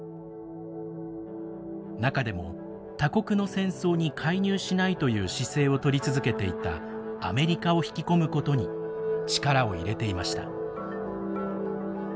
中でも他国の戦争に介入しないという姿勢を取り続けていたアメリカを引き込むことに力を入れていました。